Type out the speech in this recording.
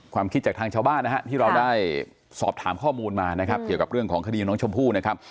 ความคิดจากทางชาวบ้านนะฮะที่เราได้สอบถามข้อมูลมานะครับเกี่ยวกับเรื่องของคดีน้องชมพู่นะครับ